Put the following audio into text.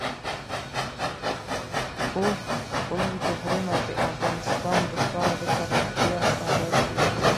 اوږده غرونه د افغانستان د ښاري پراختیا سبب کېږي.